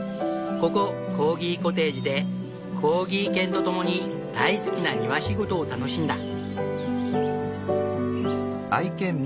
ここコーギコテージでコーギー犬と共に大好きな庭仕事を楽しんだ。